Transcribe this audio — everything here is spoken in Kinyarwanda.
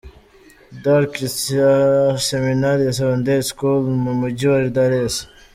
Dar Christian Seminary Secondary School mu mujyi wa Dar es.